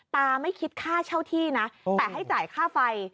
ไม่คิดค่าเช่าที่นะแต่ให้จ่ายค่าไฟ